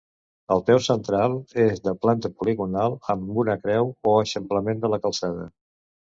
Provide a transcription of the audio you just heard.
El peu central és de planta poligonal, amb una creu o eixamplament de la calçada.